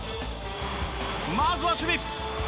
まずは守備。